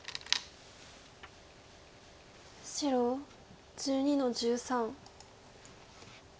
白１２の十三。